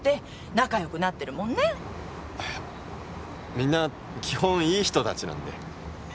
みんな基本いい人たちなんで。